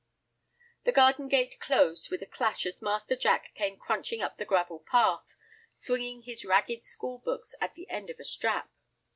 The garden gate closed with a clash as Master Jack came crunching up the gravel path, swinging his ragged school books at the end of a strap.